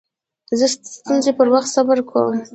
زه د ستونزو پر وخت صبر کوم.